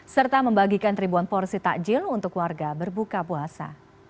serta membagikan ribuan porsi takjil untuk warga berbuka puasa